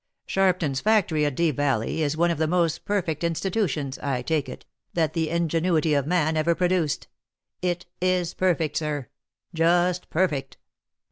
Sharpton's factory at Deep Valley is one of the most perfect institutions, I take it, that the ingenuity of man ever produced. It is perfect, sir, — just perfect.